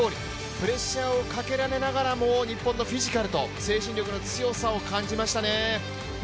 プレッシャーをかけられながらも日本のフィジカルと精神力の強さを感じましたね。